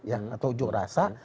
atau ujung rasa